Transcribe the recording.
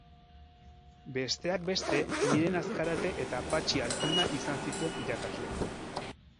Besteak beste Miren Azkarate eta Patxi Altuna izan zituen irakasle.